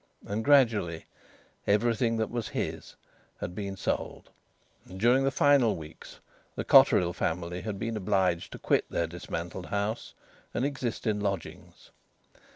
And gradually everything that was his had been sold. And during the final weeks the Cotterill family had been obliged to quit their dismantled house and exist in lodgings.